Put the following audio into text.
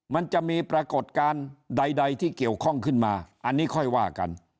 มันจะมีปรากฏการณ์ใดที่เกี่ยวข้องขึ้นมาอันนี้ค่อยว่ากัน